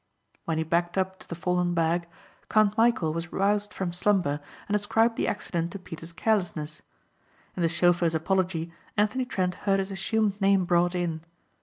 When he backed up to the fallen bag Count Michæl was aroused from slumber and ascribed the accident to Peter's carelessness. In the chauffeur's apology Anthony Trent heard his assumed name brought in.